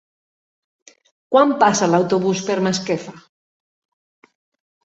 Quan passa l'autobús per Masquefa?